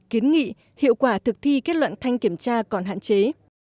kiến nghị hiệu quả thực thi kết luận thanh kiểm tra còn hạn chế